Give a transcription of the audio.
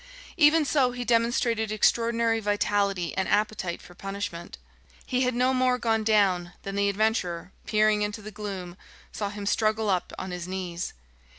Even so, he demonstrated extraordinary vitality and appetite for punishment. He had no more gone down than the adventurer, peering into the gloom, saw him struggle up on his knees.